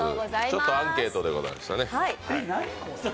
ちょっとアンケートでございました。